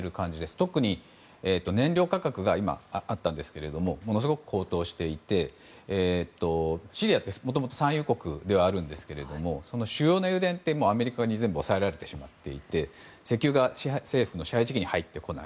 特に燃料価格が今、あったんですがものすごく高騰していてシリアってもともと産油国ではありますがその主要な油田ってもうアメリカに全部押さえられてしまっていて石油が政府の支配地域に入ってこない。